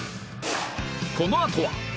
このあとは